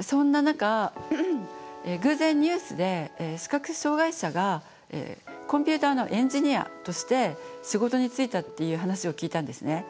そんな中偶然ニュースで視覚障害者がコンピューターのエンジニアとして仕事に就いたっていう話を聞いたんですね。